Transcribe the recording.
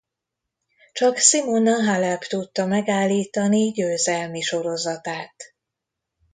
Csak Simona Halep tudta megállítani győzelmi sorozatát.